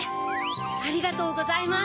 ありがとうございます。